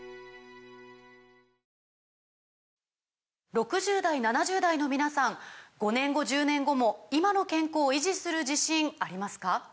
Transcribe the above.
６０代７０代の皆さん５年後１０年後も今の健康維持する自信ありますか？